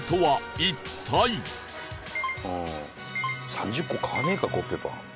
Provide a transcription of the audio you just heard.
３０個買わねえかコッペパン。